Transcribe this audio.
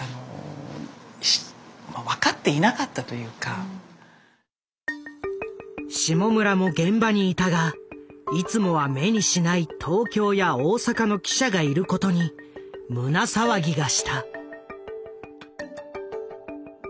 私たちは下村も現場にいたがいつもは目にしない東京や大阪の記者がいることに胸騒ぎがした。